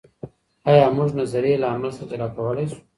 آيا موږ نظريې له عمل څخه جلا کولای سو؟